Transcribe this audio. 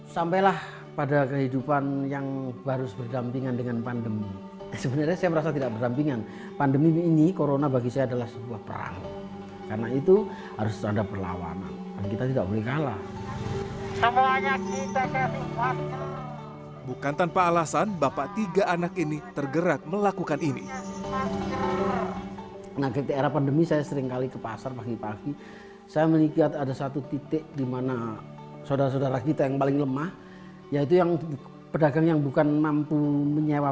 saya ngelempar tidak ada tapi semua orang ketawa